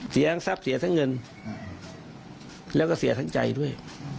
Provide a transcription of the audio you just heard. ทรัพย์เสียทั้งเงินแล้วก็เสียทั้งใจด้วย